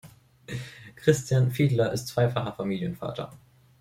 Christian Fiedler ist zweifacher Familienvater.